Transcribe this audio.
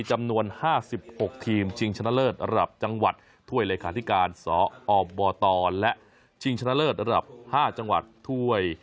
จำนวน๕๖ทีมชิงชนะเลิศระดับจังหวัดถ้วยเลขาธิการสอบตและชิงชนะเลิศระดับ๕จังหวัดถ้วย